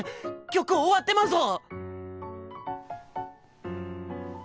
曲終わってまうぞ。